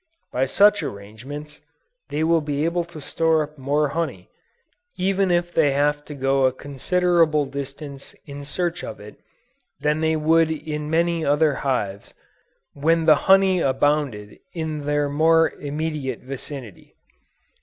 By such arrangements, they will be able to store up more honey, even if they have to go a considerable distance in search of it, than they would in many other hives, when the honey abounded in their more immediate vicinity.